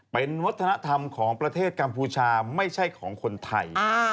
เป็นวัฒนธรรมของประเทศกัมพูชาไม่ใช่ของคนไทย